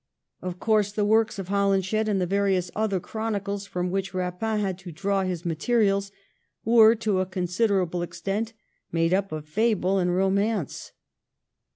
Of course the works of Holinshed and the various other chronicles from which Eapin had to draw" his materials were to a considerable extent made up of fable and romance.